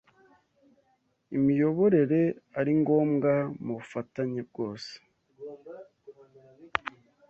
imiyoborere ari ngombwa mubufatanye bwose